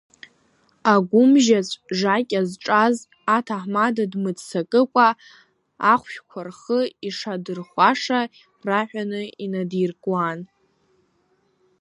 Агәымжьаҵә жакьа зҿаз аҭаҳмада дмыццакыкәа, ахәшәқәа рхы ишадырхәаша раҳәаны инадиркуан.